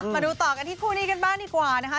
มาดูต่อกันที่คู่นี้กันบ้างดีกว่านะคะ